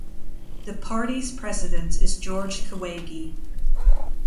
The party's president is Jorge Kahwagi.